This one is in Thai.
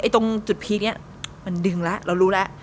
ตรงจุดพีคนี้มันดึงแล้วเรารู้แล้ว